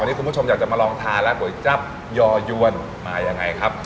วันนี้คุณผู้ชมอยากจะมาลองทานแล้วก๋วยจับยอยวนมายังไงครับ